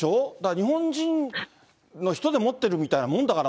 日本人の人でもってるみたいなもんだから、